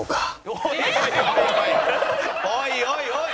おいおいおい！